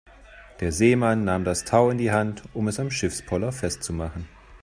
Der Seemann nahm das Tau in die Hand, um es am Schiffspoller festzumachen.